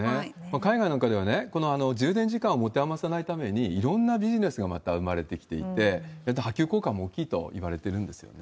海外なんかでは、この充電時間を持て余さないために、いろんなビジネスがまた生まれてきていて、波及効果も大きいといわれてるんですよね。